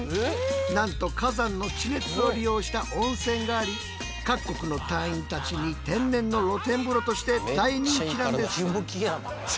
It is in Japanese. なんと火山の地熱を利用した温泉があり各国の隊員たちに天然の露天風呂として大人気なんです。